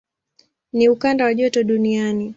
Ni ukanda wa joto duniani.